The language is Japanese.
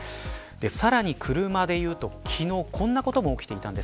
さらに車で言うと、昨日こんなことも起きていたんです。